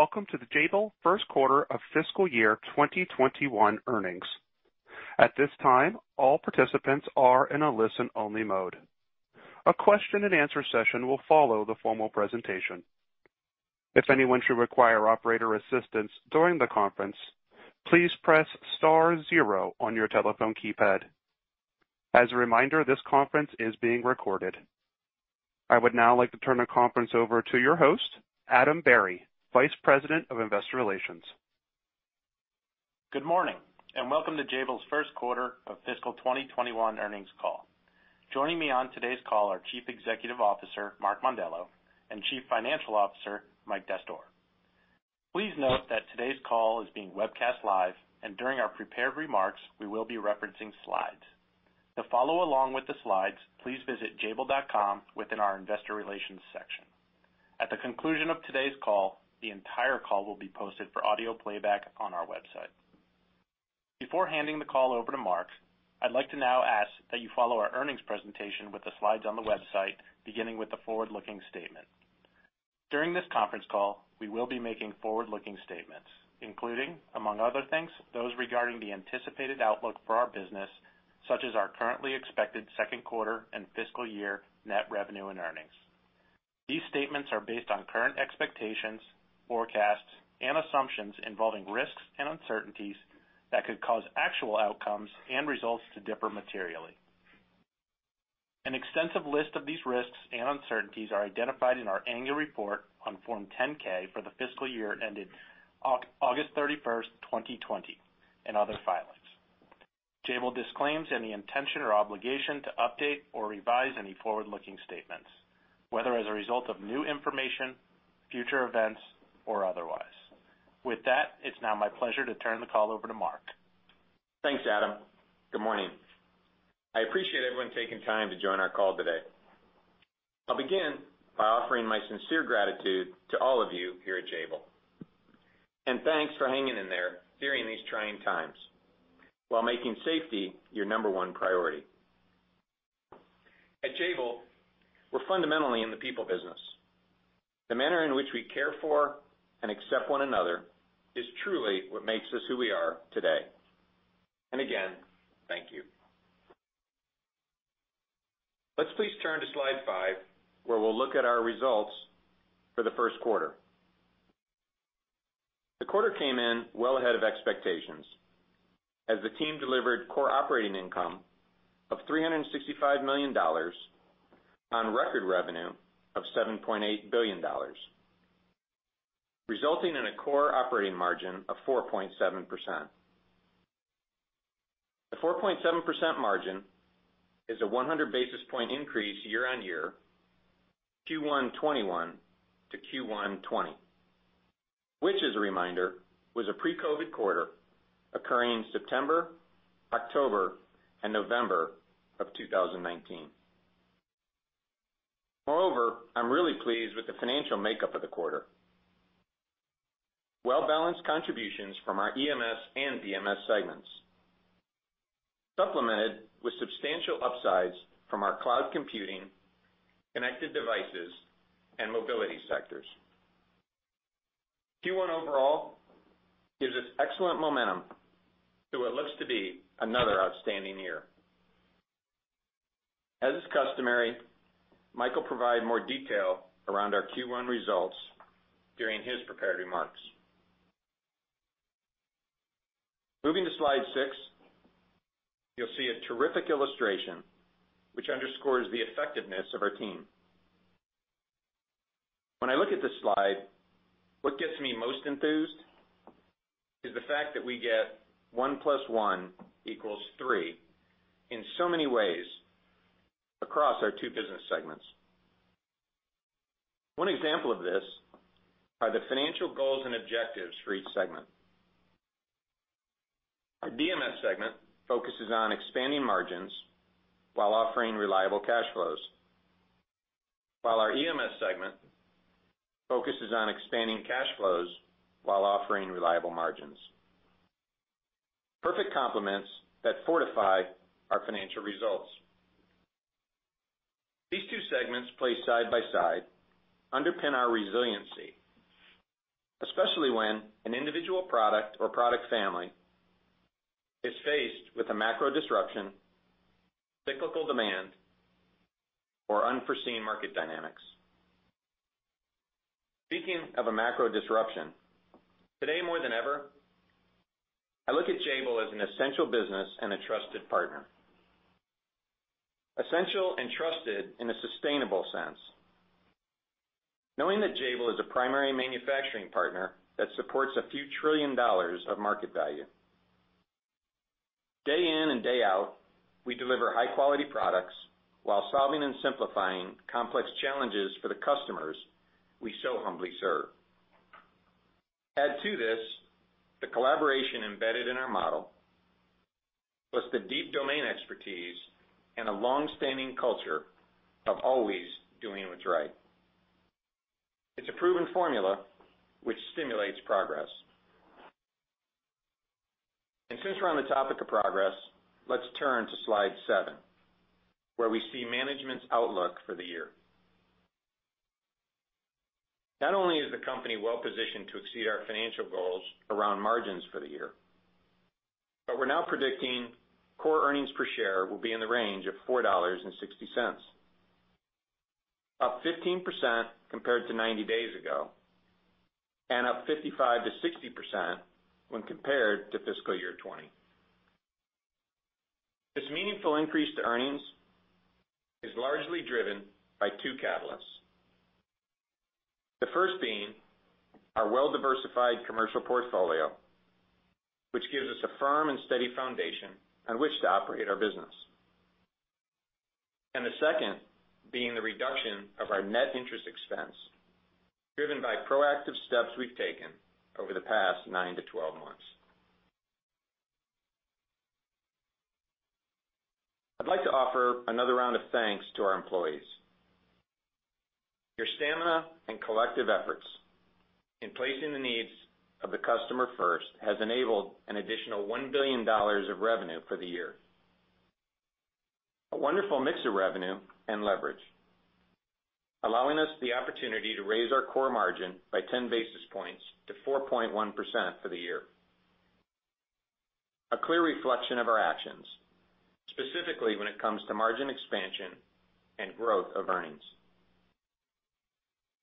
Greetings and welcome to the Jabil First Quarter of Fiscal Year 2021 Earnings. At this time, all participants are in a listen-only mode. A question-and-answer session will follow the formal presentation. If anyone should require operator assistance during the conference, please press star zero on your telephone keypad. As a reminder, this conference is being recorded. I would now like to turn the conference over to your host, Adam Berry, VP of Investor Relations. Good morning and welcome to Jabil's first quarter of fiscal 2021 earnings call. Joining me on today's call are CEO Mark Mondello and CFO Mike Dastoor. Please note that today's call is being webcast live, and during our prepared remarks, we will be referencing slides. To follow along with the slides, please visit jabil.com within our Investor Relations section. At the conclusion of today's call, the entire call will be posted for audio playback on our website. Before handing the call over to Mark, I'd like to now ask that you follow our earnings presentation with the slides on the website, beginning with the forward-looking statement. During this conference call, we will be making forward-looking statements, including, among other things, those regarding the anticipated outlook for our business, such as our currently expected second quarter and fiscal year net revenue and earnings. These statements are based on current expectations, forecasts, and assumptions involving risks and uncertainties that could cause actual outcomes and results to differ materially. An extensive list of these risks and uncertainties are identified in our annual report on Form 10-K for the fiscal year ended August 31st, 2020, and other filings. Jabil disclaims any intention or obligation to update or revise any forward-looking statements, whether as a result of new information, future events, or otherwise. With that, it's now my pleasure to turn the call over to Mark. Thanks, Adam. Good morning. I appreciate everyone taking time to join our call today. I'll begin by offering my sincere gratitude to all of you here at Jabil. And thanks for hanging in there during these trying times while making safety your number one priority. At Jabil, we're fundamentally in the people business. The manner in which we care for and accept one another is truly what makes us who we are today. And again, thank you. Let's please turn to slide five, where we'll look at our results for the first quarter. The quarter came in well ahead of expectations as the team delivered core operating income of $365 million on record revenue of $7.8 billion, resulting in a core operating margin of 4.7%. The 4.7% margin is a 100 basis point increase year-on-year, Q1 2021 to Q1 2020, which, as a reminder, was a pre-COVID quarter occurring September, October, and November of 2019. Moreover, I'm really pleased with the financial makeup of the quarter: well-balanced contributions from our EMS and DMS segments, supplemented with substantial upsides from our cloud computing, Connected Devices, and Mobility sectors. Q1 overall gives us excellent momentum to what looks to be another outstanding year. As is customary, Michael provided more detail around our Q1 results during his prepared remarks. Moving to slide six, you'll see a terrific illustration which underscores the effectiveness of our team. When I look at this slide, what gets me most enthused is the fact that we get one plus one equals three in so many ways across our two business segments. One example of this is the financial goals and objectives for each segment. Our DMS segment focuses on expanding margins while offering reliable cash flows, while our EMS segment focuses on expanding cash flows while offering reliable margins. Perfect complements that fortify our financial results. These two segments placed side by side underpin our resiliency, especially when an individual product or product family is faced with a macro disruption, cyclical demand, or unforeseen market dynamics. Speaking of a macro disruption, today more than ever, I look at Jabil as an essential business and a trusted partner. Essential and trusted in a sustainable sense. Knowing that Jabil is a primary manufacturing partner that supports a few trillion dollars of market value. Day in and day out, we deliver high-quality products while solving and simplifying complex challenges for the customers we so humbly serve. Add to this the collaboration embedded in our model, plus the deep domain expertise and a long-standing culture of always doing what's right. It's a proven formula which stimulates progress. And since we're on the topic of progress, let's turn to slide seven, where we see management's outlook for the year. Not only is the company well-positioned to exceed our financial goals around margins for the year, but we're now predicting core earnings per share will be in the range of $4.60, up 15% compared to 90 days ago and up 55%-60% when compared to fiscal year 2020. This meaningful increase to earnings is largely driven by two catalysts. The first being our well-diversified commercial portfolio, which gives us a firm and steady foundation on which to operate our business. And the second being the reduction of our net interest expense, driven by proactive steps we've taken over the past nine to 12 months. I'd like to offer another round of thanks to our employees. Your stamina and collective efforts in placing the needs of the customer first has enabled an additional $1 billion of revenue for the year. A wonderful mix of revenue and leverage, allowing us the opportunity to raise our core margin by 10 basis points to 4.1% for the year. A clear reflection of our actions, specifically when it comes to margin expansion and growth of earnings.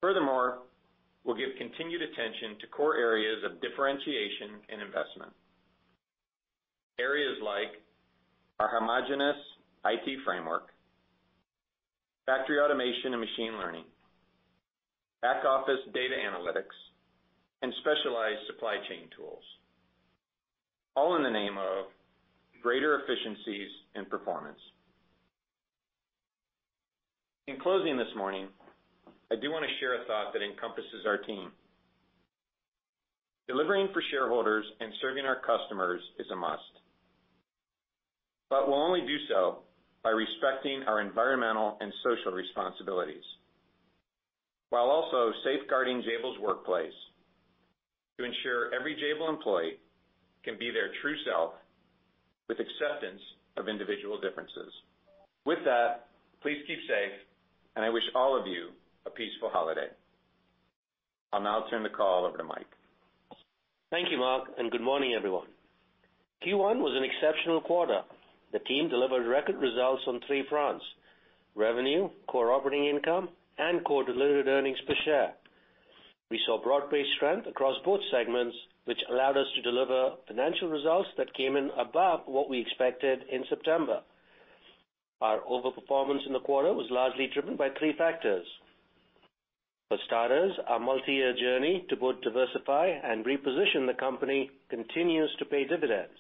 Furthermore, we'll give continued attention to core areas of differentiation and investment. Areas like our homogeneous IT framework, factory automation and machine learning, back office data analytics, and specialized supply chain tools, all in the name of greater efficiencies and performance. In closing this morning, I do want to share a thought that encompasses our team. Delivering for shareholders and serving our customers is a must, but we'll only do so by respecting our environmental and social responsibilities, while also safeguarding Jabil's workplace to ensure every Jabil employee can be their true self with acceptance of individual differences. With that, please keep safe, and I wish all of you a peaceful holiday. I'll now turn the call over to Mike. Thank you, Mark, and good morning, everyone. Q1 was an exceptional quarter. The team delivered record results on three fronts: revenue, core operating income, and core delivered earnings per share. We saw broad-based strength across both segments, which allowed us to deliver financial results that came in above what we expected in September. Our overperformance in the quarter was largely driven by three factors. For starters, our multi-year journey to both diversify and reposition the company continues to pay dividends.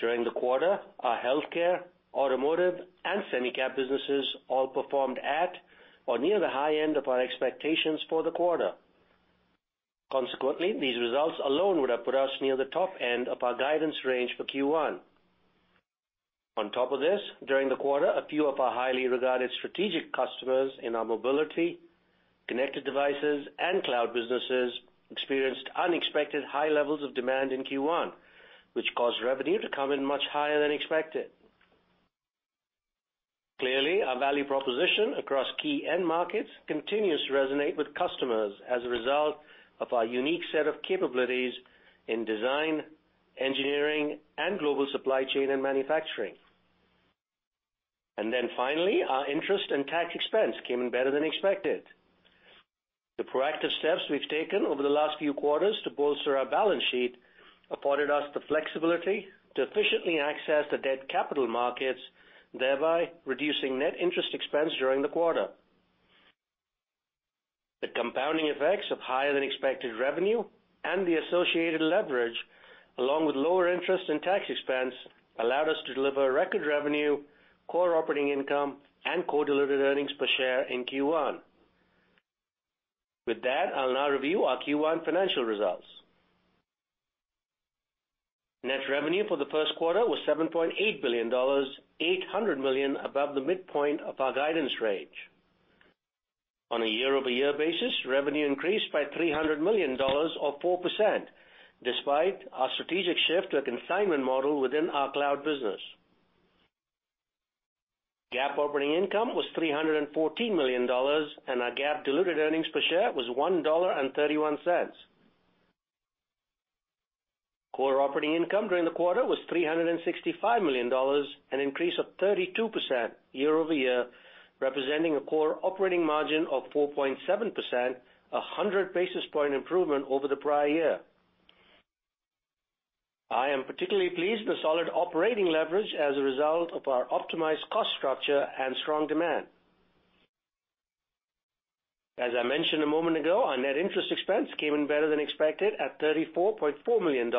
During the quarter, our Healthcare, Automotive, and Semi-Cap businesses all performed at or near the high end of our expectations for the quarter. Consequently, these results alone would have put us near the top end of our guidance range for Q1. On top of this, during the quarter, a few of our highly regarded strategic customers in our mobility, connected devices, and Cloud businesses experienced unexpected high levels of demand in Q1, which caused revenue to come in much higher than expected. Clearly, our value proposition across key end markets continues to resonate with customers as a result of our unique set of capabilities in design, engineering, and global supply chain and manufacturing. And then finally, our interest and tax expense came in better than expected. The proactive steps we've taken over the last few quarters to bolster our balance sheet afforded us the flexibility to efficiently access the debt capital markets, thereby reducing net interest expense during the quarter. The compounding effects of higher-than-expected revenue and the associated leverage, along with lower interest and tax expense, allowed us to deliver record revenue, core operating income, and core delivered earnings per share in Q1. With that, I'll now review our Q1 financial results. Net revenue for the first quarter was $7.8 billion, $800 million above the midpoint of our guidance range. On a year-over-year basis, revenue increased by $300 million, or 4%, despite our strategic shift to a consignment model within our Cloud business. GAAP operating income was $314 million, and our GAAP delivered earnings per share was $1.31. Core operating income during the quarter was $365 million, an increase of 32% year-over-year, representing a core operating margin of 4.7%, a 100 basis point improvement over the prior year. I am particularly pleased with the solid operating leverage as a result of our optimized cost structure and strong demand. As I mentioned a moment ago, our net interest expense came in better than expected at $34.4 million,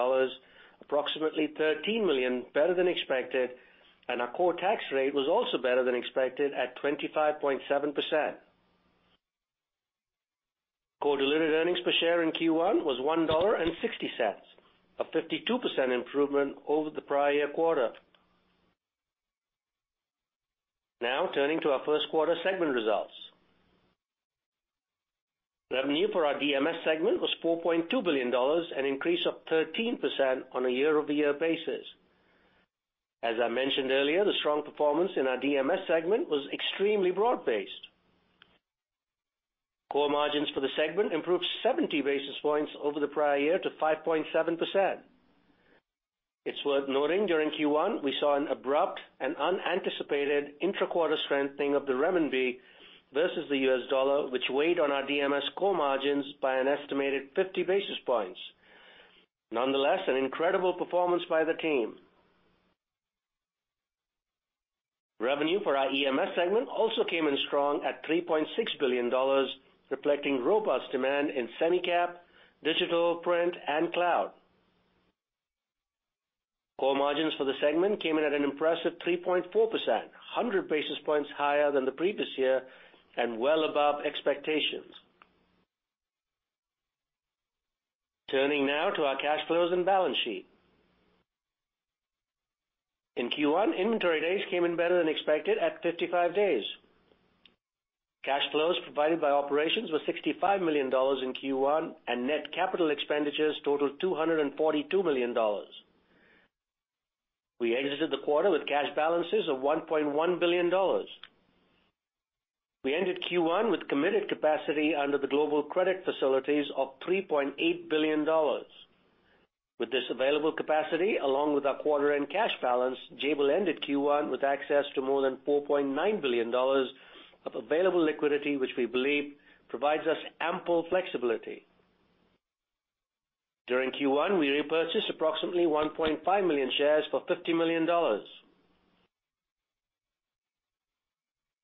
approximately $13 million better than expected, and our core tax rate was also better than expected at 25.7%. Core delivered earnings per share in Q1 was $1.60, a 52% improvement over the prior year quarter. Now turning to our first quarter segment results. Revenue for our DMS segment was $4.2 billion, an increase of 13% on a year-over-year basis. As I mentioned earlier, the strong performance in our DMS segment was extremely broad-based. Core margins for the segment improved 70 basis points over the prior year to 5.7%. It's worth noting during Q1, we saw an abrupt and unanticipated intra-quarter strengthening of the renminbi versus the U.S. dollar, which weighed on our DMS core margins by an estimated 50 basis points. Nonetheless, an incredible performance by the team. Revenue for our EMS segment also came in strong at $3.6 billion, reflecting robust demand in semi-cap, digital, print, and cloud. Core margins for the segment came in at an impressive 3.4%, 100 basis points higher than the previous year and well above expectations. Turning now to our cash flows and balance sheet. In Q1, inventory days came in better than expected at 55 days. Cash flows provided by operations were $65 million in Q1, and net capital expenditures totaled $242 million. We exited the quarter with cash balances of $1.1 billion. We ended Q1 with committed capacity under the global credit facilities of $3.8 billion. With this available capacity, along with our quarter-end cash balance, Jabil ended Q1 with access to more than $4.9 billion of available liquidity, which we believe provides us ample flexibility. During Q1, we repurchased approximately 1.5 million shares for $50 million.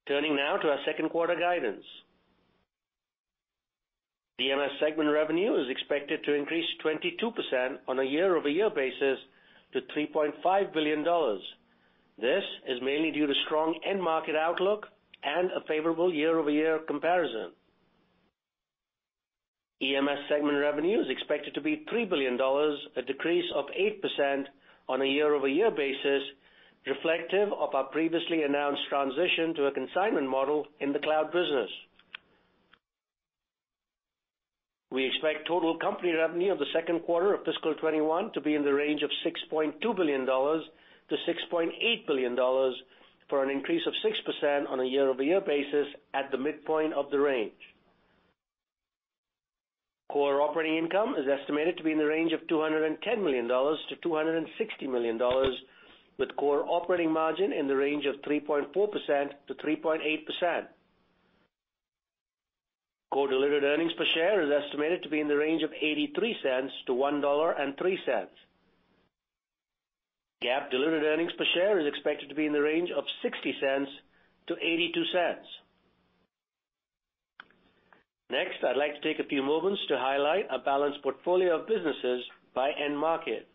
Turning now to our second quarter guidance. DMS segment revenue is expected to increase 22% on a year-over-year basis to $3.5 billion. This is mainly due to strong end market outlook and a favorable year-over-year comparison. EMS segment revenue is expected to be $3 billion, a decrease of 8% on a year-over-year basis, reflective of our previously announced transition to a consignment model in the cloud business. We expect total company revenue of the second quarter of fiscal 2021 to be in the range of $6.2-$6.8 billion for an increase of 6% on a year-over-year basis at the midpoint of the range. Core operating income is estimated to be in the range of $210-$260 million, with core operating margin in the range of 3.4%-3.8%. Core delivered earnings per share is estimated to be in the range of $0.83-$1.03. GAAP diluted earnings per share is expected to be in the range of $0.60-$0.82. Next, I'd like to take a few moments to highlight our balanced portfolio of businesses by end market.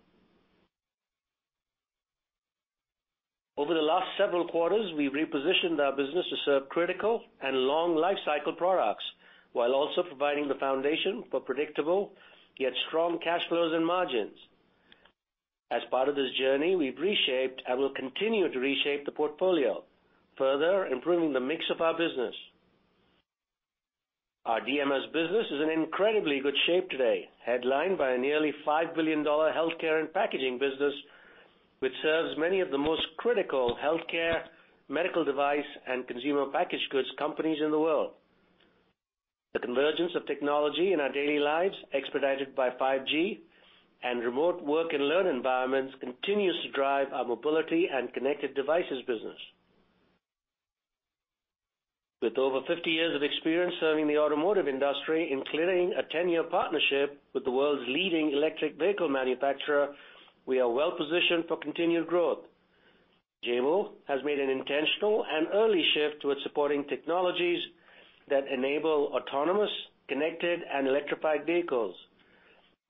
Over the last several quarters, we've repositioned our business to serve critical and long-life cycle products, while also providing the foundation for predictable yet strong cash flows and margins. As part of this journey, we've reshaped and will continue to reshape the portfolio, further improving the mix of our business. Our DMS business is in incredibly good shape today, headlined by a nearly $5 billion Healthcare and Packaging business, which serves many of the most critical Healthcare, medical device, and consumer packaged goods companies in the world. The convergence of technology in our daily lives, expedited by 5G and remote work and learn environments, continues to drive our mobility and connected devices business. With over 50 years of experience serving the automotive industry and clearing a 10-year partnership with the world's leading electric vehicle manufacturer, we are well-positioned for continued growth. Jabil has made an intentional and early shift towards supporting technologies that enable autonomous, connected, and electrified vehicles.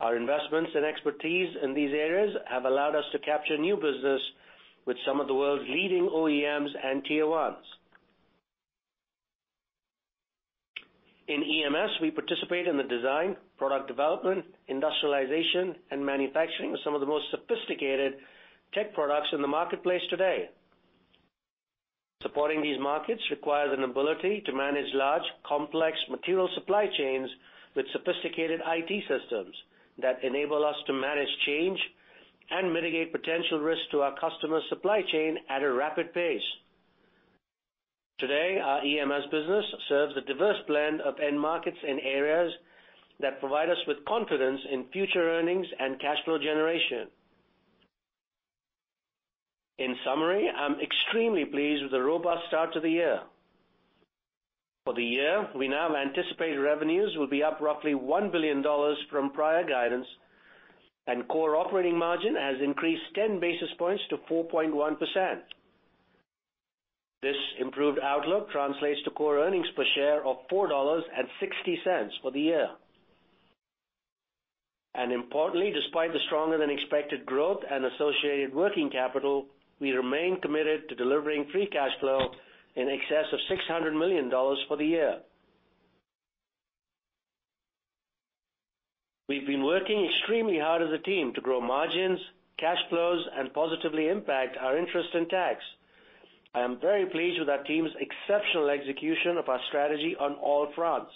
Our investments and expertise in these areas have allowed us to capture new business with some of the world's leading OEMs and Tier 1s. In EMS, we participate in the design, product development, industrialization, and manufacturing of some of the most sophisticated tech products in the marketplace today. Supporting these markets requires an ability to manage large, complex material supply chains with sophisticated IT systems that enable us to manage change and mitigate potential risks to our customer supply chain at a rapid pace. Today, our EMS business serves a diverse blend of end markets in areas that provide us with confidence in future earnings and cash flow generation. In summary, I'm extremely pleased with the robust start to the year. For the year, we now anticipate revenues will be up roughly $1 billion from prior guidance, and core operating margin has increased 10 basis points to 4.1%. This improved outlook translates to core earnings per share of $4.60 for the year, and importantly, despite the stronger-than-expected growth and associated working capital, we remain committed to delivering free cash flow in excess of $600 million for the year. We've been working extremely hard as a team to grow margins, cash flows, and positively impact our interest and tax. I am very pleased with our team's exceptional execution of our strategy on all fronts.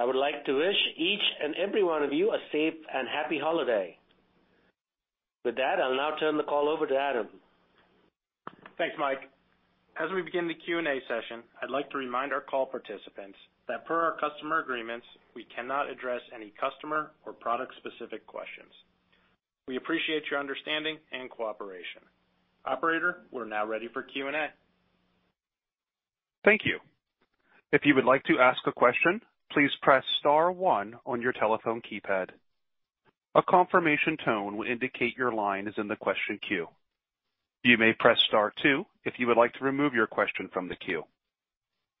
I would like to wish each and every one of you a safe and happy holiday. With that, I'll now turn the call over to Adam. Thanks, Mike. As we begin the Q&A session, I'd like to remind our call participants that per our customer agreements, we cannot address any customer or product-specific questions. We appreciate your understanding and cooperation. Operator, we're now ready for Q&A. Thank you. If you would like to ask a question, please press star one on your telephone keypad. A confirmation tone will indicate your line is in the question queue. You may press star two if you would like to remove your question from the queue.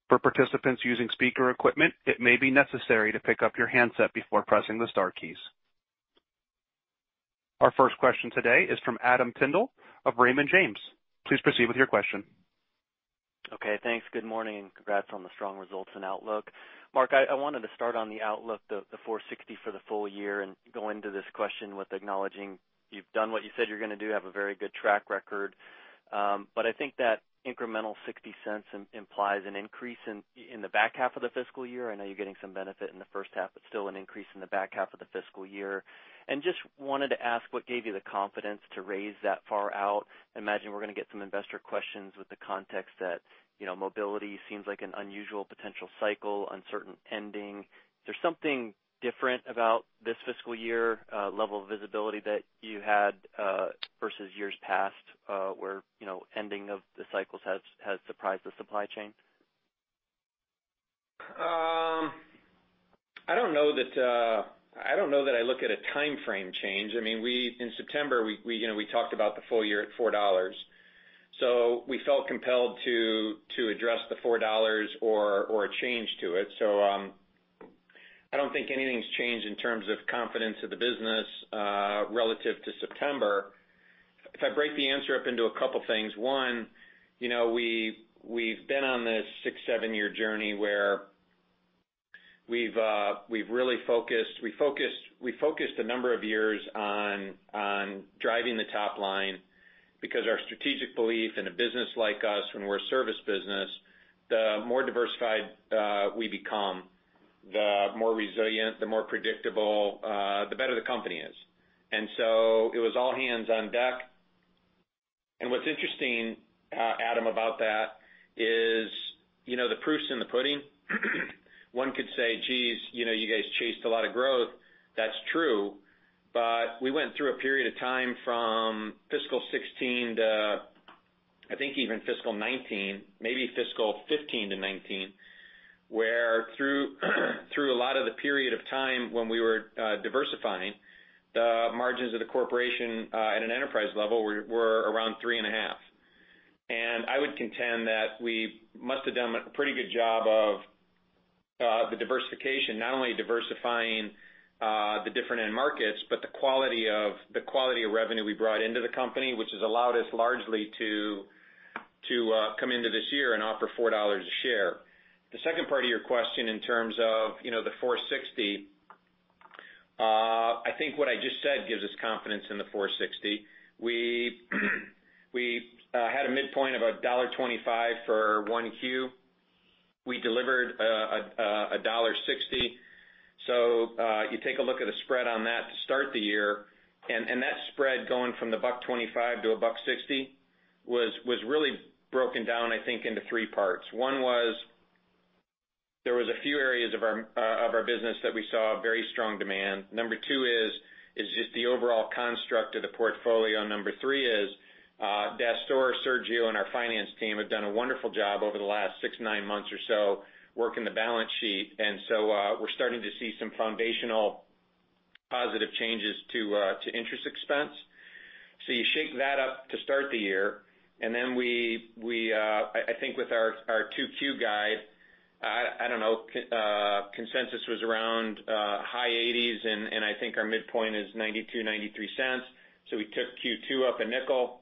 For participants using speaker equipment, it may be necessary to pick up your handset before pressing the star keys. Our first question today is from Adam Tindle of Raymond James. Please proceed with your question. Okay. Thanks. Good morning and congrats on the strong results and outlook. Mark, I wanted to start on the outlook, the $4.60 for the full year, and go into this question with acknowledging you've done what you said you're going to do, have a very good track record. But I think that incremental $0.60 implies an increase in the back half of the fiscal year. I know you're getting some benefit in the first half, but still an increase in the back half of the fiscal year. And just wanted to ask, what gave you the confidence to raise that far out? I imagine we're going to get some investor questions with the context that mobility seems like an unusual potential cycle, uncertain ending. Is there something different about this fiscal year, level of visibility that you had versus years past where ending of the cycles has surprised the supply chain? I don't know that I look at a time frame change. I mean, in September, we talked about the full year at $4. So we felt compelled to address the $4 or a change to it. So I don't think anything's changed in terms of confidence of the business relative to September. If I break the answer up into a couple of things, one, we've been on this six, seven-year journey where we've really focused a number of years on driving the top line because our strategic belief in a business like us, when we're a service business, the more diversified we become, the more resilient, the more predictable, the better the company is. And so it was all hands on deck. And what's interesting, Adam, about that is the proof's in the pudding. One could say, "Geez, you guys chased a lot of growth." That's true. But we went through a period of time from fiscal 2016 to, I think, even fiscal 2019, maybe fiscal 2015 to 2019, where through a lot of the period of time when we were diversifying, the margins of the corporation at an enterprise level were around three and a half. And I would contend that we must have done a pretty good job of the diversification, not only diversifying the different end markets, but the quality of revenue we brought into the company, which has allowed us largely to come into this year and offer $4 a share. The second part of your question in terms of the $4.60, I think what I just said gives us confidence in the $4.60. We had a midpoint of $1.25 for 1Q. We delivered $1.60. So you take a look at the spread on that to start the year, and that spread going from the $1.25-$1.60 was really broken down, I think, into three parts. One was there was a few areas of our business that we saw very strong demand. Number two is just the overall construct of the portfolio. Number three is Dastoor, Sergio, and our finance team have done a wonderful job over the last six, nine months or so working the balance sheet. And so we're starting to see some foundational positive changes to interest expense. So you shake that up to start the year. And then we, I think, with our 2Q guide, I don't know, consensus was around high 80s, and I think our midpoint is $0.92-$0.93. So we took Q2 up a nickel.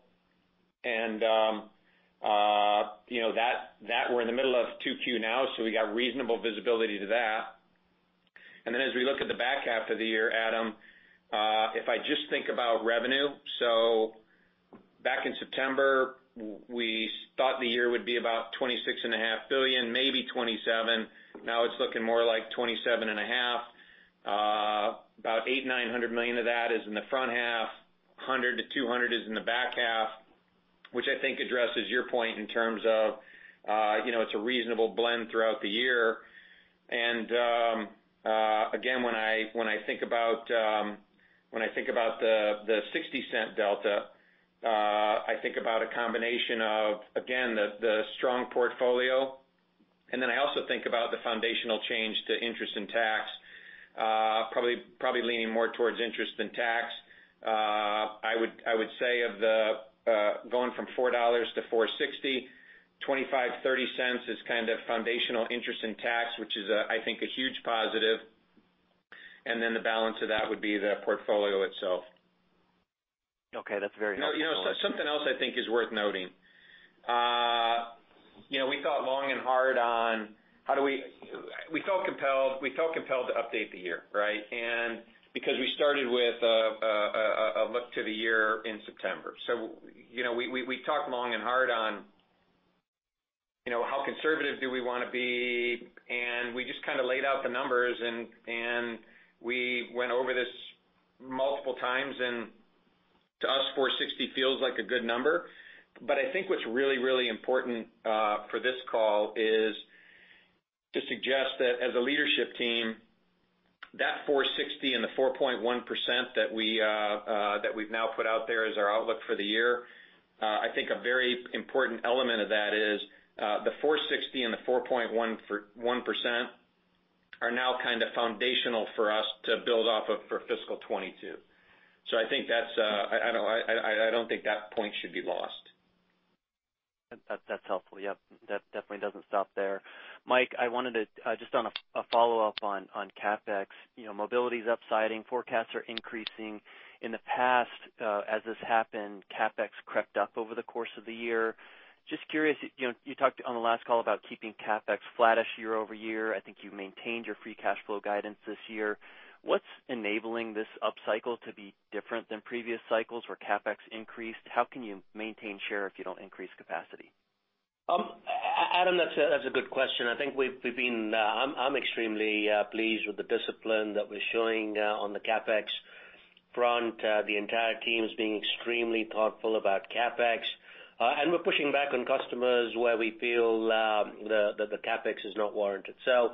And that we're in the middle of 2Q now, so we got reasonable visibility to that. And then as we look at the back half of the year, Adam, if I just think about revenue, so back in September, we thought the year would be about $26.5 billion, maybe $27 billion. Now it's looking more like $27.5 billion. About $8.9 billion of that is in the front half. $100 million-$200 million is in the back half, which I think addresses your point in terms of it's a reasonable blend throughout the year. And again, when I think about the $0.60 delta, I think about a combination of, again, the strong portfolio. And then I also think about the foundational change to interest and tax, probably leaning more towards interest than tax. I would say of the going from $4 to $4.60, $0.25-$0.30 is kind of foundational interest and tax, which is, I think, a huge positive, and then the balance of that would be the portfolio itself. Okay. That's very helpful. Something else I think is worth noting. We thought long and hard on how we felt compelled to update the year, right, and because we started with a look to the year in September, so we talked long and hard on how conservative do we want to be, and we just kind of laid out the numbers, and we went over this multiple times, and to us, $4.60 feels like a good number, but I think what's really, really important for this call is to suggest that as a leadership team, that $4.60 and the 4.1% that we've now put out there as our outlook for the year, I think a very important element of that is the $4.60 and the 4.1% are now kind of foundational for us to build off of for fiscal 2022, so I think that's. I don't think that point should be lost. That's helpful. Yep. That definitely doesn't stop there. Mike, I wanted to just on a follow-up on CapEx. Mobility is upsiding. Forecasts are increasing. In the past, as this happened, CapEx crept up over the course of the year. Just curious, you talked on the last call about keeping CapEx flattish year-over-year. I think you maintained your free cash flow guidance this year. What's enabling this upcycle to be different than previous cycles where CapEx increased? How can you maintain share if you don't increase capacity? Adam, that's a good question. I think. I'm extremely pleased with the discipline that we're showing on the CapEx front. The entire team is being extremely thoughtful about CapEx and we're pushing back on customers where we feel that the CapEx is not warranted, so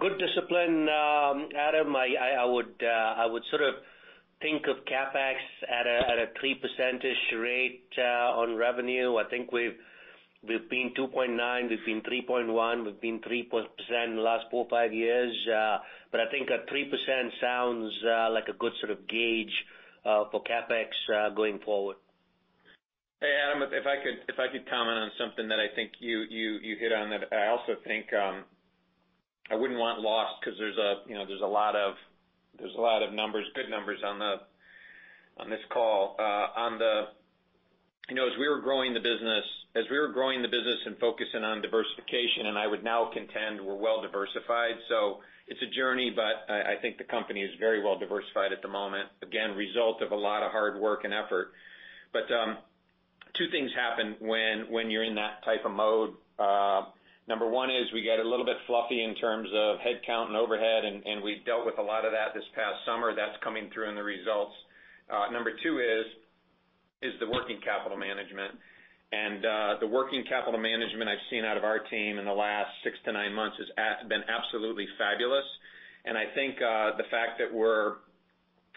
good discipline, Adam. I would sort of think of CapEx at a 3%-ish rate on revenue. I think we've been 2.9%, we've been 3.1%, we've been 3% in the last four, five years, but I think a 3% sounds like a good sort of gauge for CapEx going forward. Hey, Adam, if I could comment on something that I think you hit on, that I also think I wouldn't want lost because there's a lot of numbers, good numbers on this call. As we were growing the business and focusing on diversification, and I would now contend we're well-diversified. So it's a journey, but I think the company is very well-diversified at the moment. Again, result of a lot of hard work and effort. But two things happen when you're in that type of mode. Number one is we get a little bit fluffy in terms of headcount and overhead, and we dealt with a lot of that this past summer. That's coming through in the results. Number two is the working capital management. The working capital management I've seen out of our team in the last six to nine months has been absolutely fabulous. I think the fact that we're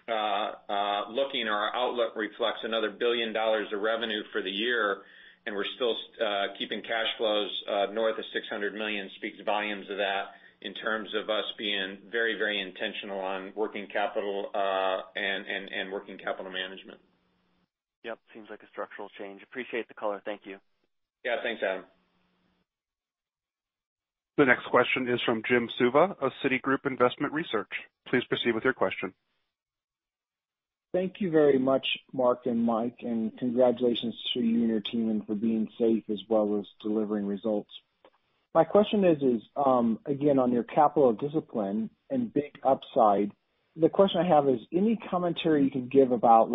looking at our outlook reflects another $1 billion of revenue for the year, and we're still keeping cash flows north of $600 million speaks volumes of that in terms of us being very, very intentional on working capital and working capital management. Yep. Seems like a structural change. Appreciate the color. Thank you. Yeah. Thanks, Adam. The next question is from Jim Suva, of Citigroup. Please proceed with your question. Thank you very much, Mark and Mike, and congratulations to you and your team for being safe as well as delivering results. My question is, again, on your capital discipline and big upside, the question I have is, any commentary you can give about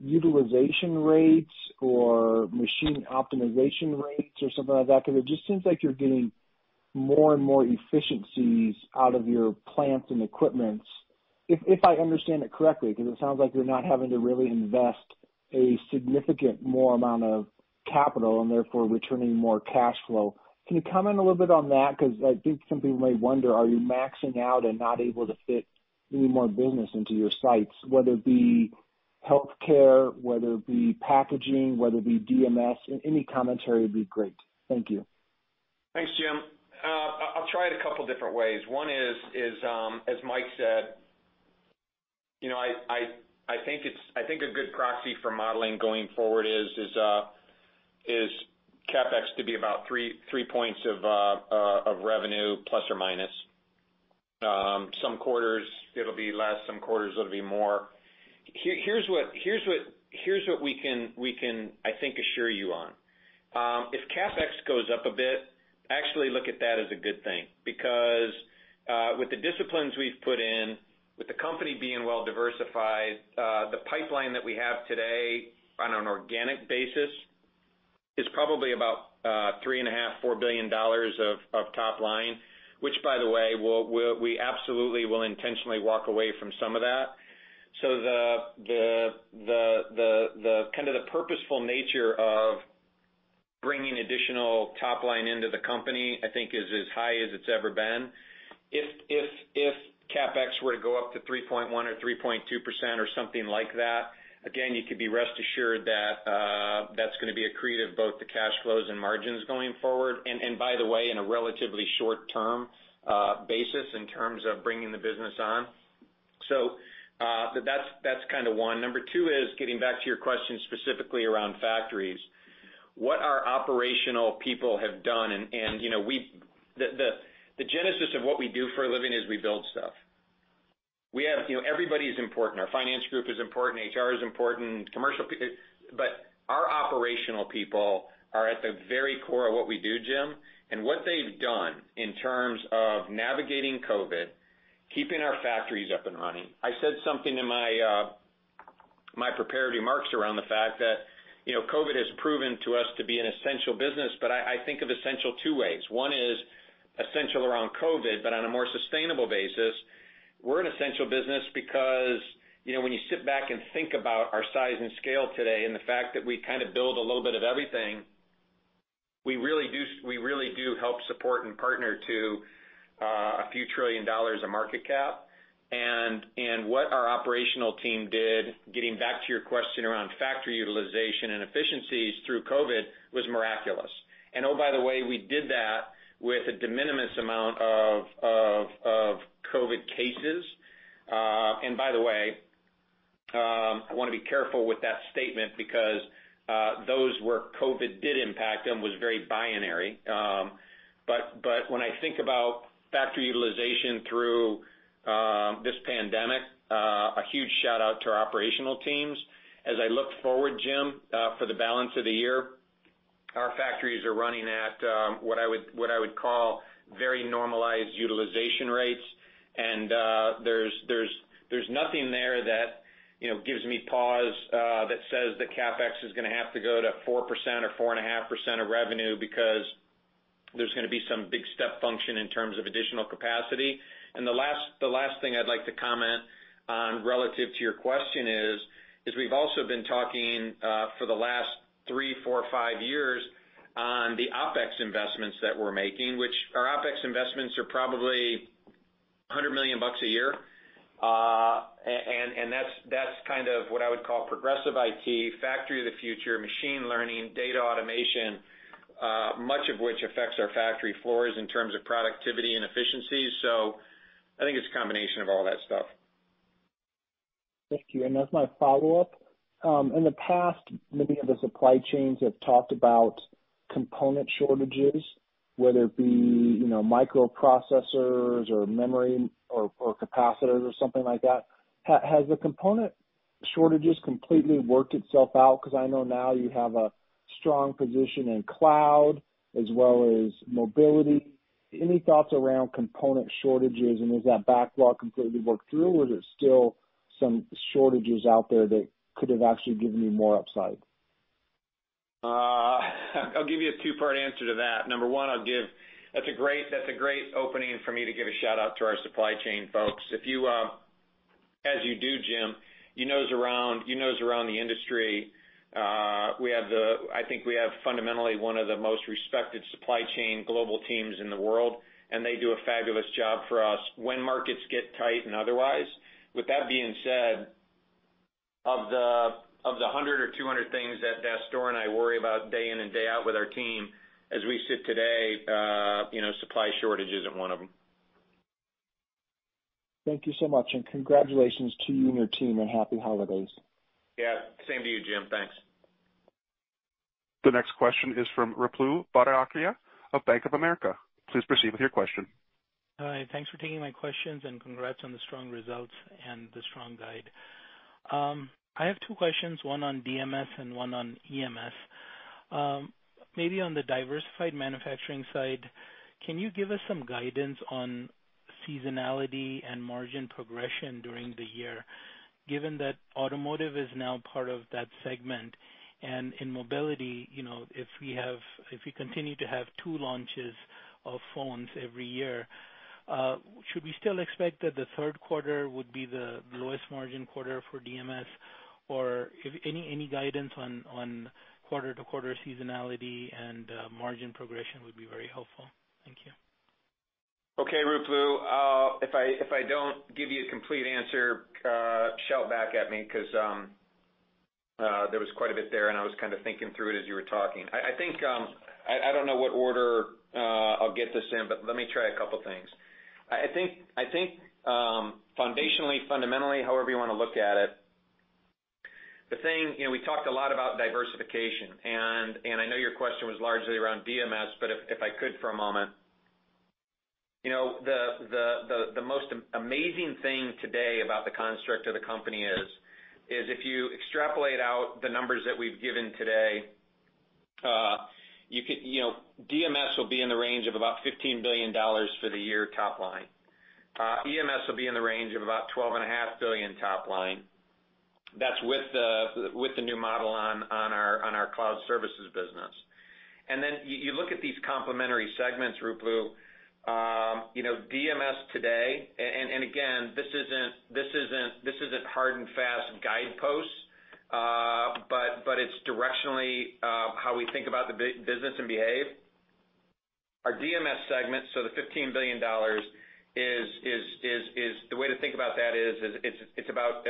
utilization rates or machine optimization rates or something like that? Because it just seems like you're getting more and more efficiencies out of your plants and equipment, if I understand it correctly, because it sounds like you're not having to really invest a significant more amount of capital and therefore returning more cash flow. Can you comment a little bit on that? Because I think some people may wonder, are you maxing out and not able to fit any more business into your sites, whether it be healthcare, whether it be packaging, whether it be DMS? Any commentary would be great. Thank you. Thanks, Jim. I'll try it a couple of different ways. One is, as Mike said, I think a good proxy for modeling going forward is CapEx to be about three points of revenue, plus or minus. Some quarters, it'll be less. Some quarters, it'll be more. Here's what we can, I think, assure you on. If CapEx goes up a bit, actually look at that as a good thing. Because with the disciplines we've put in, with the company being well-diversified, the pipeline that we have today on an organic basis is probably about $3.5-$4 billion of top line, which, by the way, we absolutely will intentionally walk away from some of that. So the kind of purposeful nature of bringing additional top line into the company, I think, is as high as it's ever been. If CapEx were to go up to 3.1% or 3.2% or something like that, again, you could rest assured that that's going to be accretive to both the cash flows and margins going forward. By the way, on a relatively short-term basis in terms of bringing the business on. So that's kind of one. Number two is getting back to your question specifically around factories, what our operational people have done. The genesis of what we do for a living is we build stuff. Everybody's important. Our finance group is important. HR is important. But our operational people are at the very core of what we do, Jim. What they've done in terms of navigating COVID, keeping our factories up and running. I said something in my preparatory remarks around the fact that COVID has proven to us to be an essential business, but I think of essential two ways. One is essential around COVID, but on a more sustainable basis, we're an essential business because when you sit back and think about our size and scale today and the fact that we kind of build a little bit of everything, we really do help support and partner to a few trillion dollars of market cap. And what our operational team did, getting back to your question around factory utilization and efficiencies through COVID, was miraculous. And oh, by the way, we did that with a de minimis amount of COVID cases. And by the way, I want to be careful with that statement because those where COVID did impact them was very binary. But when I think about factory utilization through this pandemic, a huge shout-out to our operational teams. As I look forward, Jim, for the balance of the year, our factories are running at what I would call very normalized utilization rates. And there's nothing there that gives me pause that says that CapEx is going to have to go to 4% or 4.5% of revenue because there's going to be some big step function in terms of additional capacity. And the last thing I'd like to comment on relative to your question is we've also been talking for the last three, four, five years on the OpEx investments that we're making, which our OpEx investments are probably $100 million a year. And that's kind of what I would call progressive IT, factory of the future, machine learning, data automation, much of which affects our factory floors in terms of productivity and efficiencies. So I think it's a combination of all that stuff. Thank you, and as my follow-up, in the past, many of the supply chains have talked about component shortages, whether it be microprocessors or memory or capacitors or something like that. Has the component shortages completely worked itself out? Because I know now you have a strong position in cloud as well as mobility. Any thoughts around component shortages? And has that backlog completely worked through? Or is there still some shortages out there that could have actually given you more upside? I'll give you a two-part answer to that. Number one, I'll say that's a great opening for me to give a shout-out to our supply chain folks. As you do, Jim, you know us around the industry. I think we have fundamentally one of the most respected supply chain global teams in the world, and they do a fabulous job for us when markets get tight and otherwise. With that being said, of the 100 or 200 things Dastoor and I worry about day in and day out with our team as we sit today, supply shortage isn't one of them. Thank you so much and congratulations to you and your team, and happy holidays. Yeah. Same to you, Jim. Thanks. The next question is from Ruplu Bhattacharya of Bank of America. Please proceed with your question. Hi. Thanks for taking my questions, and congrats on the strong results and the strong guide. I have two questions, one on DMS and one on EMS. Maybe on the diversified manufacturing side, can you give us some guidance on seasonality and margin progression during the year, given that automotive is now part of that segment? And in mobility, if we continue to have two launches of phones every year, should we still expect that the third quarter would be the lowest margin quarter for DMS? Or any guidance on quarter-to-quarter seasonality and margin progression would be very helpful. Thank you. Okay, Ruplu. If I don't give you a complete answer, shout back at me because there was quite a bit there, and I was kind of thinking through it as you were talking. I don't know what order I'll get this in, but let me try a couple of things. I think foundationally, fundamentally, however you want to look at it, the thing we talked a lot about diversification, and I know your question was largely around DMS, but if I could for a moment, the most amazing thing today about the construct of the company is, if you extrapolate out the numbers that we've given today, DMS will be in the range of about $15 billion for the year top line. EMS will be in the range of about $12.5 billion top line. That's with the new model on our cloud services business. And then you look at these complementary segments, Ruplu, DMS today, and again, this isn't hard and fast guideposts, but it's directionally how we think about the business and behave, our DMS segment, so the $15 billion, the way to think about that is it's about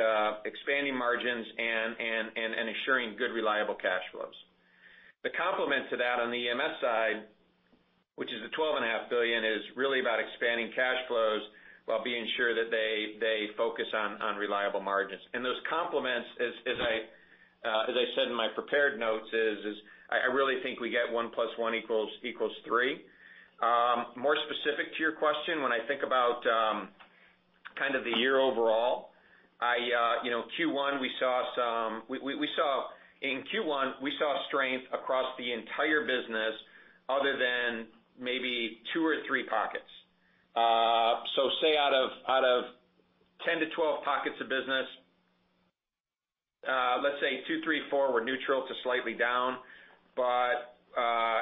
expanding margins and ensuring good, reliable cash flows. The complement to that on the EMS side, which is the $12.5 billion, is really about expanding cash flows while being sure that they focus on reliable margins. And those complements, as I said in my prepared notes, is I really think we get one plus one equals three. More specific to your question, when I think about kind of the year overall, in Q1, we saw strength across the entire business other than maybe two or three pockets. So, say out of 10-12 pockets of business, let's say two, three, four were neutral to slightly down. But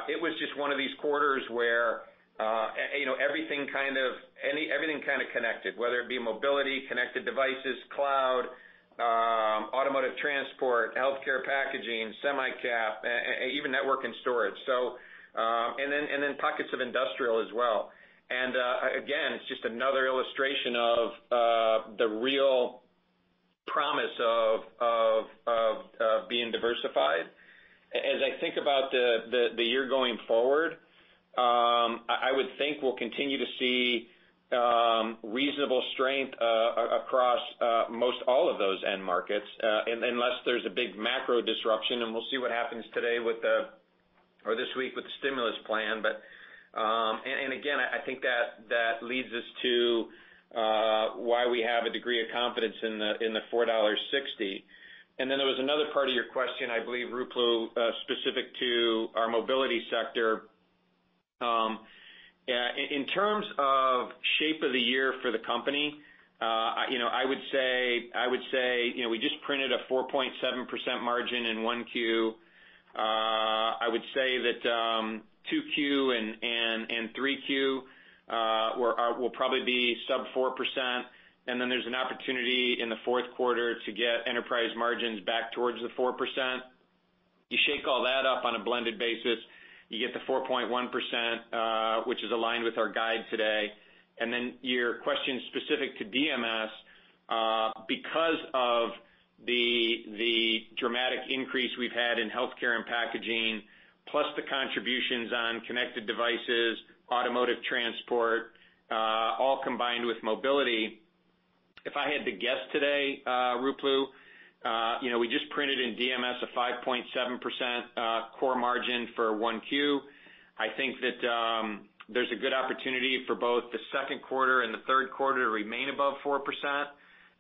it was just one of these quarters where everything kind of connected, whether it be mobility, connected devices, cloud, automotive transport, healthcare packaging, semi-cap, even Network and Storage. And then pockets of industrial as well. And again, it's just another illustration of the real promise of being diversified. As I think about the year going forward, I would think we'll continue to see reasonable strength across most all of those end markets, unless there's a big macro disruption. And we'll see what happens today with the—or this week with the stimulus plan. And again, I think that leads us to why we have a degree of confidence in the $4.60. And then there was another part of your question, I believe, Ruplu, specific to our mobility sector. In terms of shape of the year for the company, I would say we just printed a 4.7% margin in 1Q. I would say that 2Q and 3Q will probably be sub 4%. And then there's an opportunity in the fourth quarter to get EMS margins back towards the 4%. You shake all that up on a blended basis, you get the 4.1%, which is aligned with our guide today. And then your question specific to DMS, because of the dramatic increase we've had in Healthcare and Packaging, plus the contributions on connected devices, automotive transport, all combined with mobility, if I had to guess today, Ruplu, we just printed in DMS a 5.7% core margin for 1Q. I think that there's a good opportunity for both the second quarter and the third quarter to remain above 4%.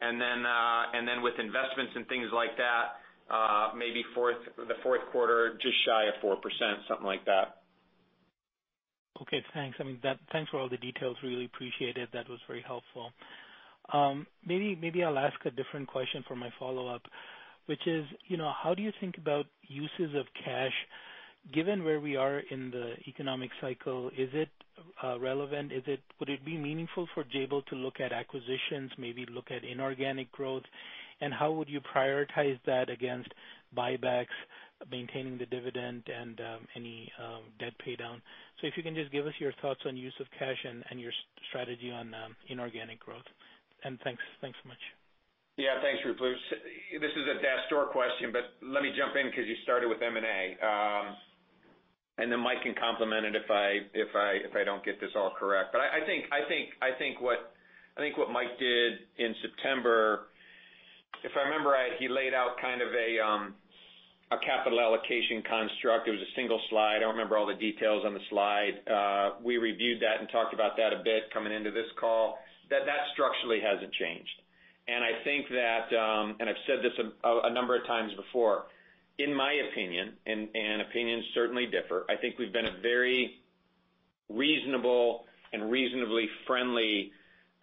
And then with investments and things like that, maybe the fourth quarter just shy of 4%, something like that. Okay. Thanks. I mean, thanks for all the details. Really appreciate it. That was very helpful. Maybe I'll ask a different question for my follow-up, which is, how do you think about uses of cash? Given where we are in the economic cycle, is it relevant? Would it be meaningful for Jabil to look at acquisitions, maybe look at inorganic growth? And how would you prioritize that against buybacks, maintaining the dividend, and any debt paydown? So if you can just give us your thoughts on use of cash and your strategy on inorganic growth. And thanks so much. Yeah. Thanks, Ruplu. This is a Dastoor question, but let me jump in because you started with M&A. And then Mike can complement it if I don't get this all correct. But I think what Mike did in September, if I remember right, he laid out kind of a capital allocation construct. It was a single slide. I don't remember all the details on the slide. We reviewed that and talked about that a bit coming into this call. That structurally hasn't changed. And I think that, and I've said this a number of times before, in my opinion, and opinions certainly differ, I think we've been very reasonable and reasonably friendly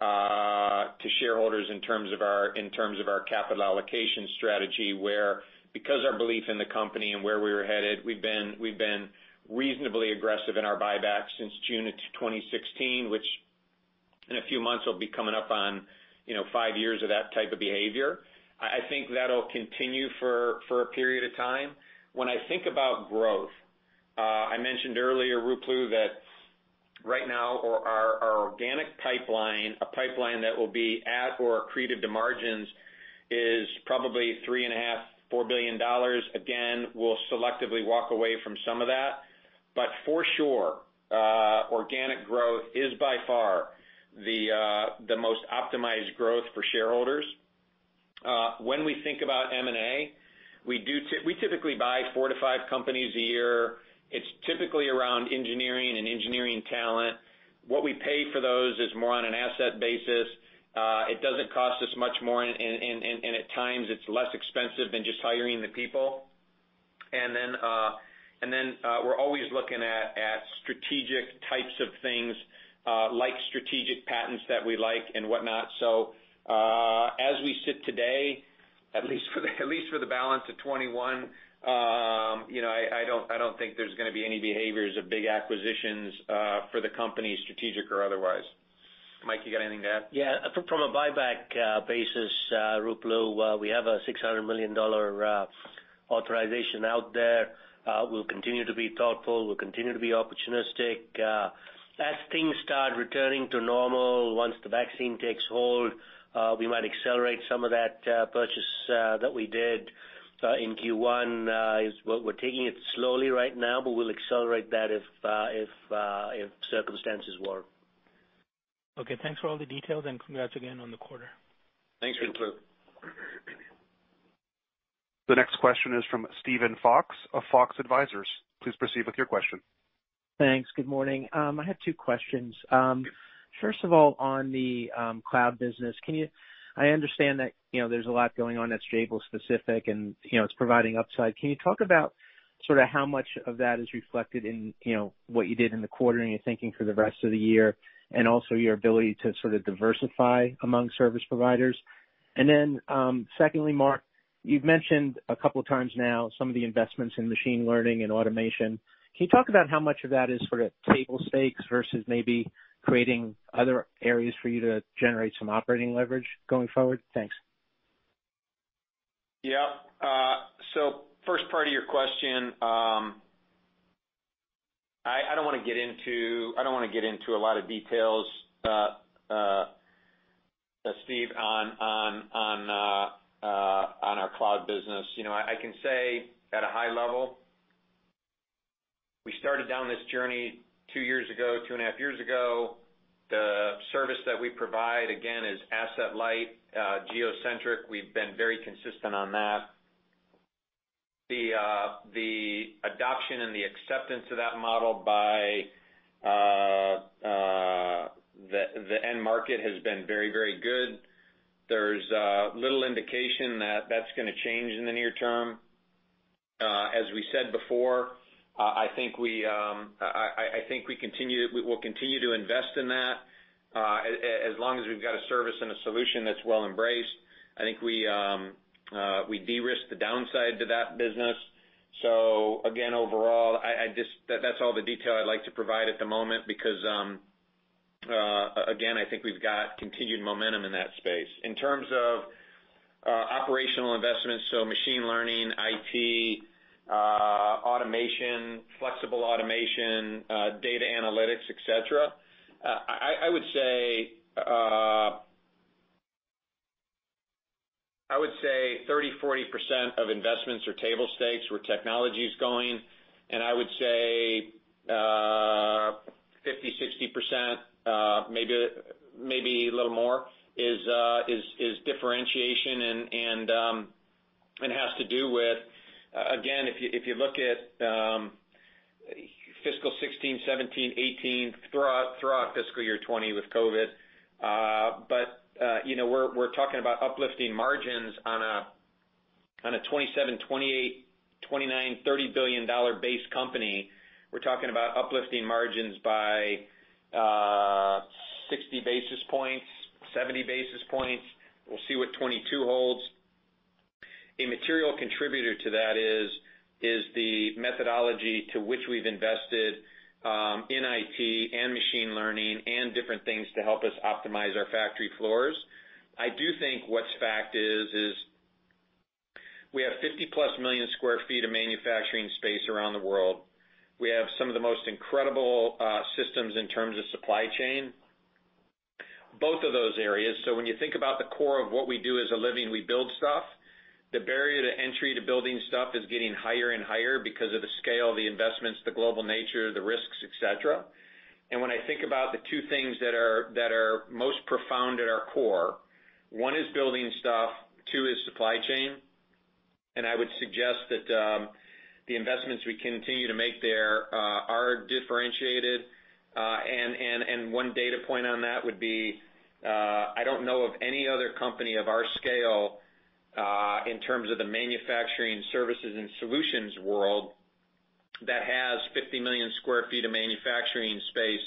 to shareholders in terms of our capital allocation strategy, where because of our belief in the company and where we were headed, we've been reasonably aggressive in our buybacks since June of 2016, which in a few months will be coming up on five years of that type of behavior. I think that'll continue for a period of time. When I think about growth, I mentioned earlier, Ruplu, that right now our organic pipeline, a pipeline that will be at or accretive to margins, is probably $3.5-$4 billion. Again, we'll selectively walk away from some of that. But for sure, organic growth is by far the most optimized growth for shareholders. When we think about M&A, we typically buy four to five companies a year. It's typically around engineering and engineering talent. What we pay for those is more on an asset basis. It doesn't cost us much more, and at times, it's less expensive than just hiring the people, and then we're always looking at strategic types of things, like strategic patents that we like and whatnot, so as we sit today, at least for the balance of 2021, I don't think there's going to be any behaviors of big acquisitions for the company, strategic or otherwise. Mike, you got anything to add? Yeah. From a buyback basis, Ruplu, we have a $600 million authorization out there. We'll continue to be thoughtful. We'll continue to be opportunistic. As things start returning to normal, once the vaccine takes hold, we might accelerate some of that purchase that we did in Q1. We're taking it slowly right now, but we'll accelerate that if circumstances were. Okay. Thanks for all the details, and congrats again on the quarter. Thanks, Ruplu. The next question is from Steven Fox of Fox Advisors. Please proceed with your question. Thanks. Good morning. I have two questions. First of all, on the cloud business, I understand that there's a lot going on that's Jabil-specific, and it's providing upside. Can you talk about sort of how much of that is reflected in what you did in the quarter and your thinking for the rest of the year, and also your ability to sort of diversify among service providers? And then secondly, Mark, you've mentioned a couple of times now some of the investments in machine learning and automation. Can you talk about how much of that is sort of table stakes versus maybe creating other areas for you to generate some operating leverage going forward? Thanks. Yeah. So first part of your question, I don't want to get into a lot of details, Steve, on our cloud business. I can say at a high level, we started down this journey two years ago, two and a half years ago. The service that we provide, again, is asset-light, geocentric. We've been very consistent on that. The adoption and the acceptance of that model by the end market has been very, very good. There's little indication that that's going to change in the near term. As we said before, I think we'll continue to invest in that as long as we've got a service and a solution that's well embraced. I think we de-risk the downside to that business. So again, overall, that's all the detail I'd like to provide at the moment because, again, I think we've got continued momentum in that space. In terms of operational investments, so machine learning, IT, automation, flexible automation, data analytics, etc., I would say 30%-40% of investments are table stakes where technology is going. And I would say 50%-60%, maybe a little more, is differentiation and has to do with, again, if you look at fiscal 2016, 2017, 2018, throughout fiscal year 2020 with COVID. But we're talking about uplifting margins on a $27-$30 billion dollar base company. We're talking about uplifting margins by 60-70 basis points. We'll see what 2022 holds. A material contributor to that is the methodology to which we've invested in IT and machine learning and different things to help us optimize our factory floors. I do think what's fact is we have 50+ million sq ft of manufacturing space around the world. We have some of the most incredible systems in terms of supply chain, both of those areas, so when you think about the core of what we do as a living, we build stuff. The barrier to entry to building stuff is getting higher and higher because of the scale, the investments, the global nature, the risks, etc., and when I think about the two things that are most profound at our core, one is building stuff, two is supply chain, and I would suggest that the investments we continue to make there are differentiated. One data point on that would be I don't know of any other company of our scale in terms of the manufacturing services and solutions world that has 50 million sq ft of manufacturing space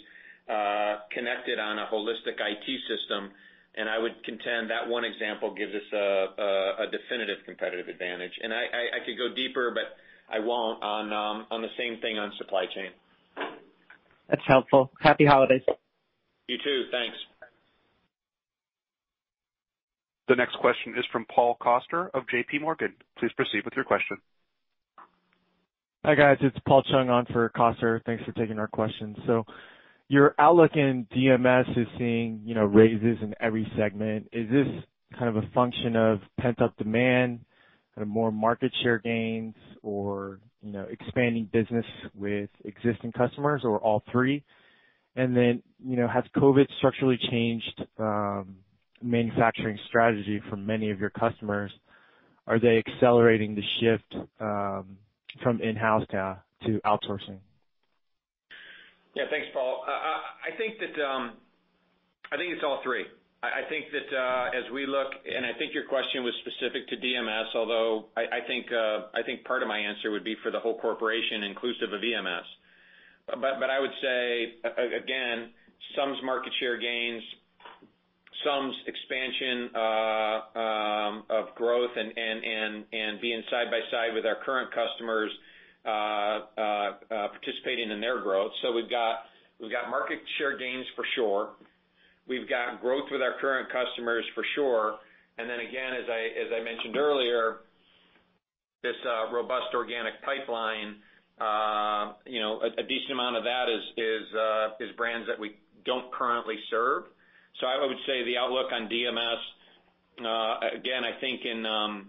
connected on a holistic IT system. I would contend that one example gives us a definitive competitive advantage. I could go deeper, but I won't on the same thing on supply chain. That's helpful. Happy holidays. You too. Thanks. The next question is from Paul Coster of JPMorgan. Please proceed with your question. Hi guys. It's Paul Chung on for Coster. Thanks for taking our questions. So your outlook in DMS is seeing raises in every segment. Is this kind of a function of pent-up demand, kind of more market share gains, or expanding business with existing customers, or all three? And then has COVID structurally changed manufacturing strategy for many of your customers? Are they accelerating the shift from in-house to outsourcing? Yeah. Thanks, Paul. I think it's all three. I think that as we look, and I think your question was specific to DMS, although I think part of my answer would be for the whole corporation inclusive of EMS. But I would say, again, some is market share gains, some is expansion of growth, and being side by side with our current customers participating in their growth. So we've got market share gains for sure. We've got growth with our current customers for sure. And then again, as I mentioned earlier, this robust organic pipeline, a decent amount of that is brands that we don't currently serve. So I would say the outlook on DMS, again, I think in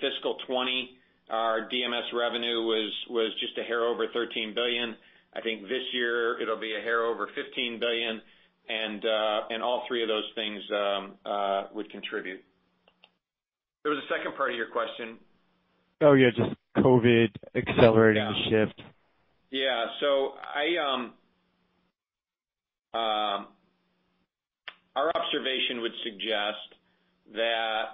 fiscal 2020, our DMS revenue was just a hair over $13 billion. I think this year it'll be a hair over $15 billion. And all three of those things would contribute. There was a second part of your question. Oh, yeah. Just COVID accelerating the shift. Yeah. So our observation would suggest that,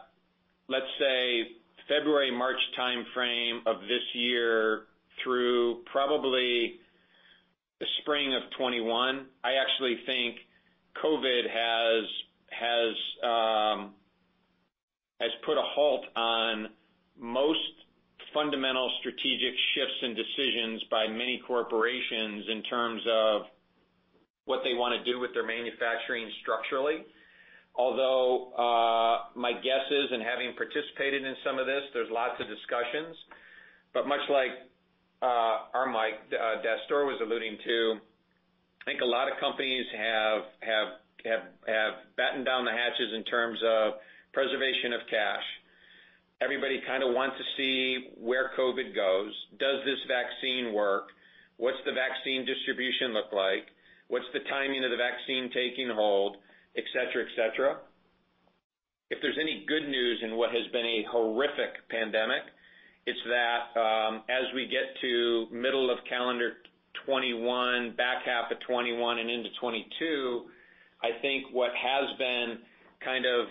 let's say, February/March timeframe of this year through probably the spring of 2021, I actually think COVID has put a halt on most fundamental strategic shifts and decisions by many corporations in terms of what they want to do with their manufacturing structurally. Although my guess is, and having participated in some of this, there's lots of discussions. But much like our Mike Dastoor was alluding to, I think a lot of companies have battened down the hatches in terms of preservation of cash. Everybody kind of wants to see where COVID goes. Does this vaccine work? What's the vaccine distribution look like? What's the timing of the vaccine taking hold? Etc., etc. If there's any good news in what has been a horrific pandemic, it's that as we get to middle of calendar 2021, back half of 2021, and into 2022, I think what has been kind of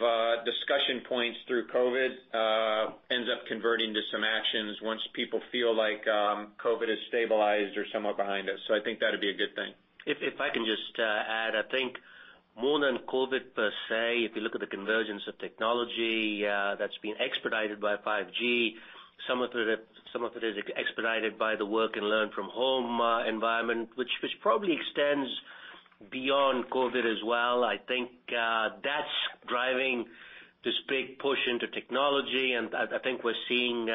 discussion points through COVID ends up converting to some actions once people feel like COVID has stabilized or somewhat behind us. So I think that'd be a good thing. If I can just add, I think more than COVID per se, if you look at the convergence of technology that's been expedited by 5G, some of it is expedited by the work and learn from home environment, which probably extends beyond COVID as well. I think that's driving this big push into technology. And I think we're seeing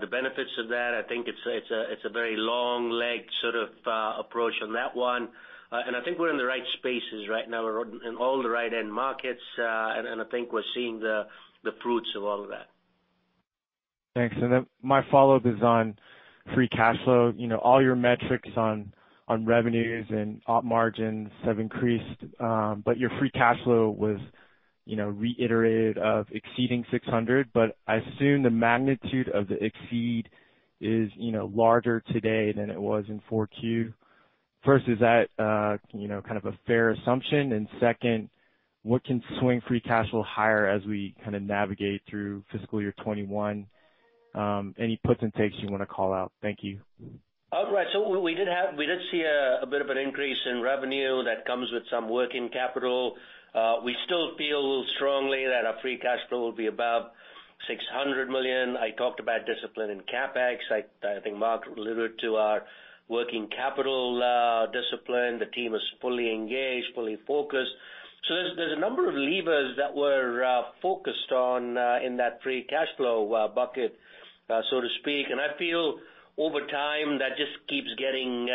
the benefits of that. I think it's a very long-legged sort of approach on that one. And I think we're in the right spaces right now. We're in all the right end markets. And I think we're seeing the fruits of all of that. Thanks. And my follow-up is on free cash flow. All your metrics on revenues and margins have increased, but your free cash flow was reiterated of exceeding $600 million. But I assume the magnitude of the exceed is larger today than it was in 2024. First, is that kind of a fair assumption? And second, what can swing free cash flow higher as we kind of navigate through fiscal year 2021? Any puts and takes you want to call out? Thank you. All right. So we did see a bit of an increase in revenue that comes with some working capital. We still feel strongly that our free cash flow will be above $600 million. I talked about discipline in CapEx. I think Mark alluded to our working capital discipline. The team is fully engaged, fully focused. So there's a number of levers that were focused on in that free cash flow bucket, so to speak. And I feel over time that just keeps getting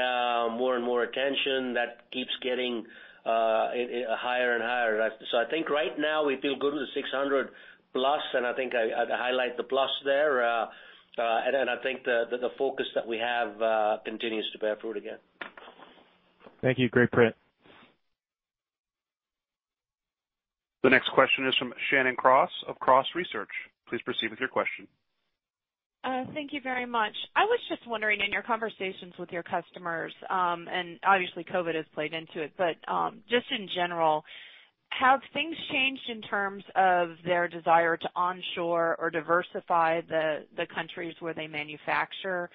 more and more attention. That keeps getting higher and higher. So I think right now we feel good with the $600 million plus. And I think I'd highlight the plus there. And I think the focus that we have continues to bear fruit again. Thank you. Great print. The next question is from Shannon Cross of Cross Research. Please proceed with your question. Thank you very much. I was just wondering in your conversations with your customers, and obviously COVID has played into it, but just in general, have things changed in terms of their desire to onshore or diversify the countries where they manufacture?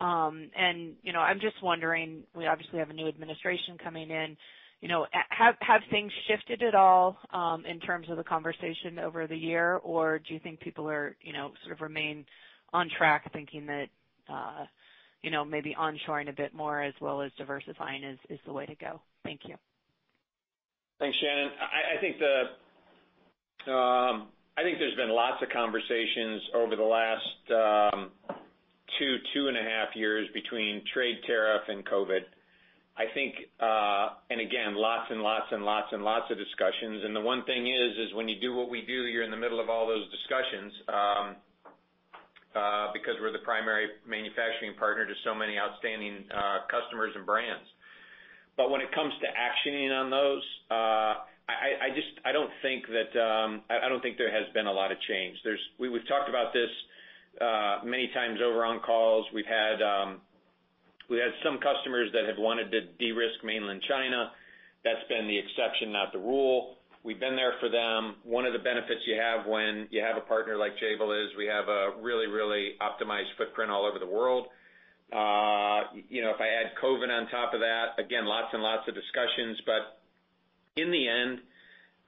and I'm just wondering, we obviously have a new administration coming in. Have things shifted at all in terms of the conversation over the year, or do you think people are sort of remain on track thinking that maybe onshoring a bit more as well as diversifying is the way to go? Thank you. Thanks, Shannon. I think there's been lots of conversations over the last two and a half years between trade tariff and COVID. I think, and again, lots and lots and lots and lots of discussions. And the one thing is when you do what we do, you're in the middle of all those discussions because we're the primary manufacturing partner to so many outstanding customers and brands. But when it comes to actioning on those, I don't think there has been a lot of change. We've talked about this many times over on calls. We've had some customers that have wanted to de-risk Mainland China. That's been the exception, not the rule. We've been there for them. One of the benefits you have when you have a partner like Jabil is we have a really, really optimized footprint all over the world. If I add COVID on top of that, again, lots and lots of discussions, but in the end,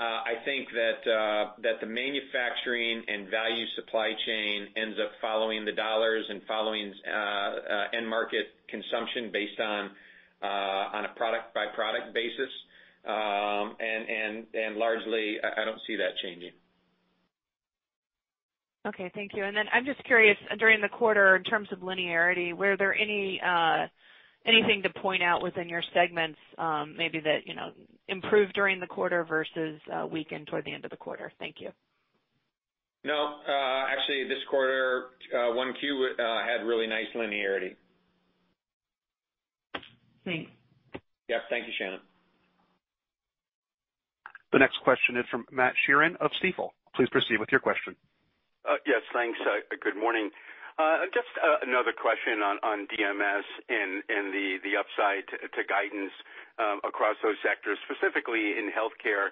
I think that the manufacturing and value supply chain ends up following the dollars and following end market consumption based on a product-by-product basis, and largely, I don't see that changing. Okay. Thank you, and then I'm just curious, during the quarter, in terms of linearity, were there anything to point out within your segments maybe that improved during the quarter versus weakened toward the end of the quarter? Thank you. No. Actually, this quarter, 1Q had really nice linearity. Thanks. Yep. Thank you, Shannon. The next question is from Matt Sheerin of Stifel. Please proceed with your question. Yes. Thanks. Good morning. Just another question on DMS and the upside to guidance across those sectors, specifically in healthcare.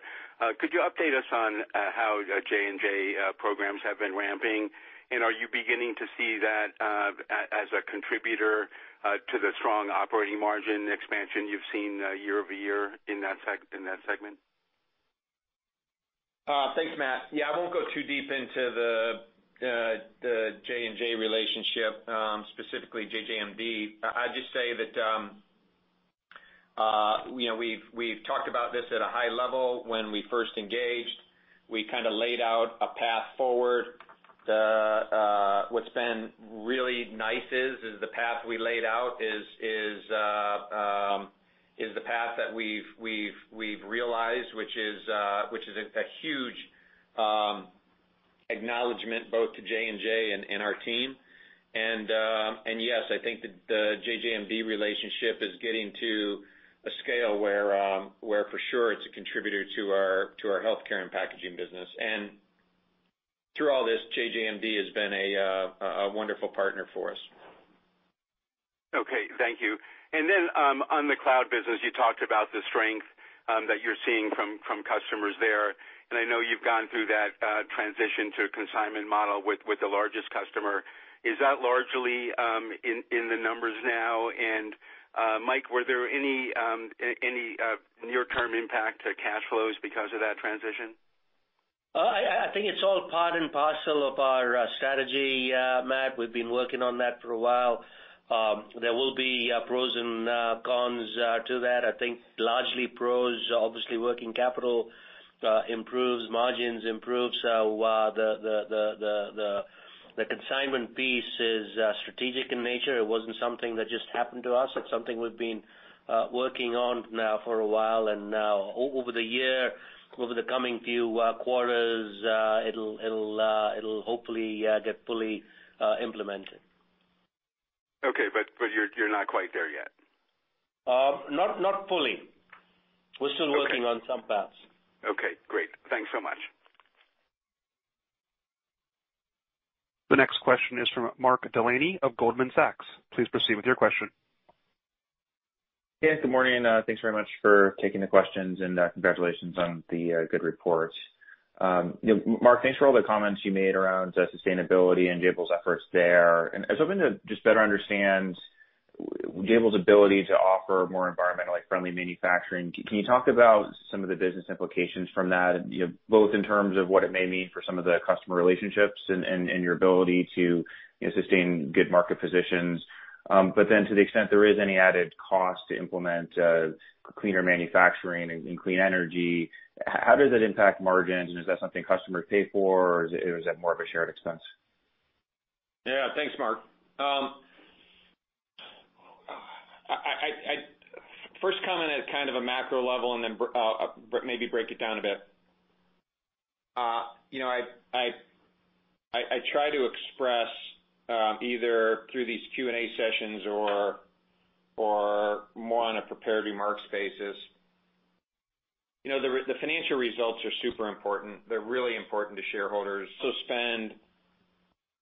Could you update us on how J&J programs have been ramping? And are you beginning to see that as a contributor to the strong operating margin expansion you've seen year-over-year in that segment? Thanks, Matt. Yeah. I won't go too deep into the J&J relationship, specifically JJMD. I'd just say that we've talked about this at a high level. When we first engaged, we kind of laid out a path forward. What's been really nice is the path we laid out is the path that we've realized, which is a huge acknowledgment both to J&J and our team. And yes, I think the JJMD relationship is getting to a scale where for sure it's a contributor to our Healthcare and Packaging business. And through all this, JJMD has been a wonderful partner for us. Okay. Thank you. And then on the cloud business, you talked about the strength that you're seeing from customers there. And I know you've gone through that transition to a consignment model with the largest customer. Is that largely in the numbers now? And Mike, were there any near-term impact to cash flows because of that transition? I think it's all part and parcel of our strategy, Matt. We've been working on that for a while. There will be pros and cons to that. I think largely pros, obviously working capital improves, margins improve. So the consignment piece is strategic in nature. It wasn't something that just happened to us. It's something we've been working on now for a while. And now over the year, over the coming few quarters, it'll hopefully get fully implemented. Okay. But you're not quite there yet? Not fully. We're still working on some paths. Okay. Great. Thanks so much. The next question is from Mark Delaney of Goldman Sachs. Please proceed with your question. Hey. Good morning. Thanks very much for taking the questions and congratulations on the good report. Mark, thanks for all the comments you made around sustainability and Jabil's efforts there, and I was hoping to just better understand Jabil's ability to offer more environmentally friendly manufacturing. Can you talk about some of the business implications from that, both in terms of what it may mean for some of the customer relationships and your ability to sustain good market positions, but then to the extent there is any added cost to implement cleaner manufacturing and clean energy, how does that impact margins, and is that something customers pay for, or is that more of a shared expense? Yeah. Thanks, Mark. First comment at kind of a macro level and then maybe break it down a bit. I try to express either through these Q&A sessions or more on a prepared remarks basis. The financial results are super important. They're really important to shareholders. Also spend,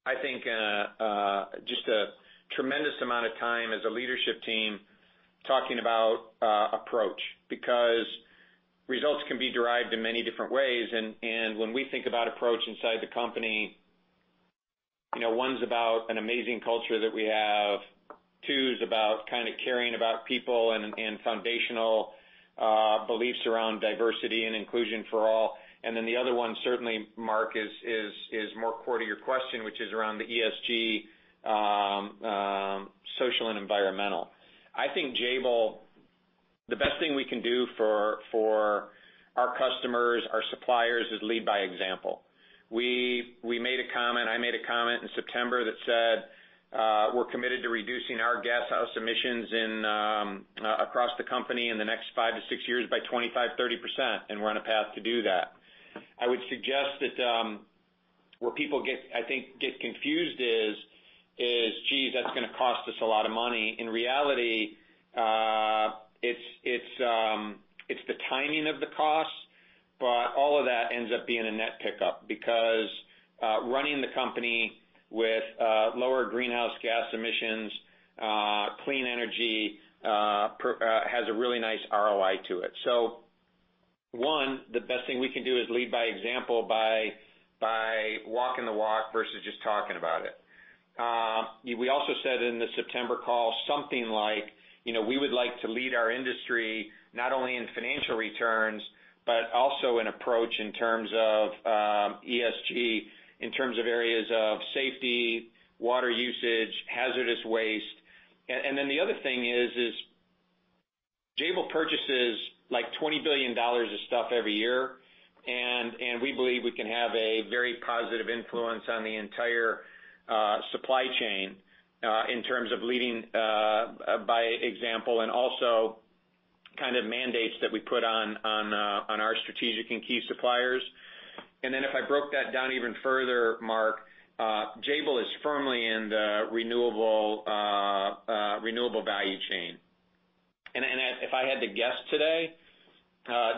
I think, just a tremendous amount of time as a leadership team talking about approach because results can be derived in many different ways. And when we think about approach inside the company, one's about an amazing culture that we have. Two's about kind of caring about people and foundational beliefs around diversity and inclusion for all. And then the other one, certainly, Mark, is more core to your question, which is around the ESG, social, and environmental. I think Jabil, the best thing we can do for our customers, our suppliers, is lead by example. We made a comment, I made a comment in September that said, "We're committed to reducing our greenhouse gas emissions across the company in the next five to six years by 25%-30%, and we're on a path to do that." I would suggest that where people, I think, get confused is, "Geez, that's going to cost us a lot of money." In reality, it's the timing of the cost, but all of that ends up being a net pickup because running the company with lower greenhouse gas emissions, clean energy has a really nice ROI to it. So one, the best thing we can do is lead by example by walking the walk versus just talking about it. We also said in the September call something like, "We would like to lead our industry not only in financial returns, but also in approach in terms of ESG, in terms of areas of safety, water usage, hazardous waste." And then the other thing is Jabil purchases like $20 billion of stuff every year. And we believe we can have a very positive influence on the entire supply chain in terms of leading by example and also kind of mandates that we put on our strategic and key suppliers. And then if I broke that down even further, Mark, Jabil is firmly in the renewable value chain. And if I had to guess today,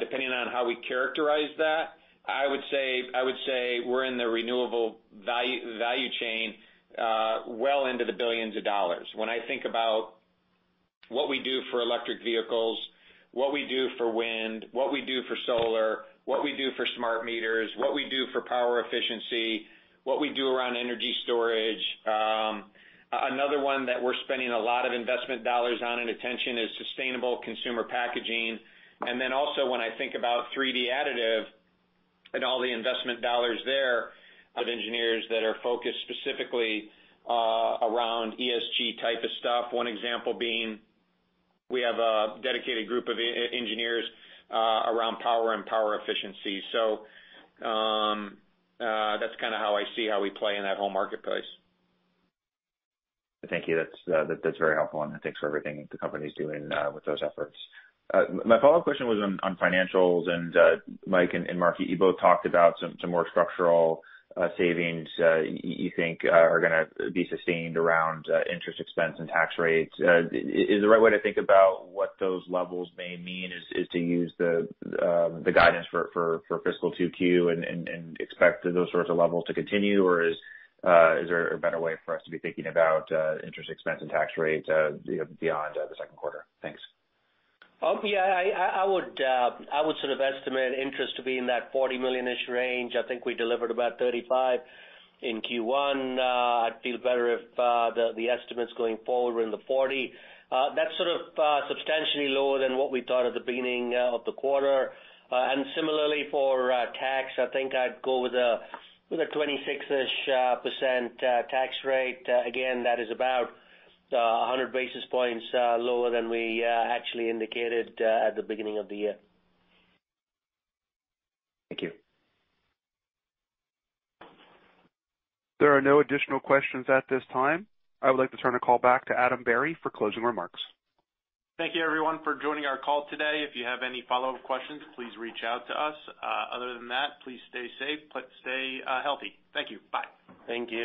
depending on how we characterize that, I would say we're in the renewable value chain well into the billions of dollars. When I think about what we do for electric vehicles, what we do for wind, what we do for solar, what we do for smart meters, what we do for power efficiency, what we do around energy storage, another one that we're spending a lot of investment dollars on and attention is sustainable consumer packaging, and then also when I think about 3D additive and all the investment dollars there, engineers that are focused specifically around ESG type of stuff, one example being we have a dedicated group of engineers around power and power efficiency, so that's kind of how I see how we play in that whole marketplace. Thank you. That's very helpful. And thanks for everything the company is doing with those efforts. My follow-up question was on financials. And Mike and Mark, you both talked about some more structural savings you think are going to be sustained around interest expense and tax rates. Is the right way to think about what those levels may mean is to use the guidance for fiscal 2Q and expect those sorts of levels to continue? Or is there a better way for us to be thinking about interest expense and tax rates beyond the second quarter? Thanks. Yeah. I would sort of estimate interest to be in that $40 million-ish range. I think we delivered about $35 million in Q1. I'd feel better if the estimates going forward were in the $40 million. That's sort of substantially lower than what we thought at the beginning of the quarter. And similarly for tax, I think I'd go with a 26-ish% tax rate. Again, that is about 100 basis points lower than we actually indicated at the beginning of the year. Thank you. There are no additional questions at this time. I would like to turn the call back to Adam Berry for closing remarks. Thank you, everyone, for joining our call today. If you have any follow-up questions, please reach out to us. Other than that, please stay safe, stay healthy. Thank you. Bye. Thank you.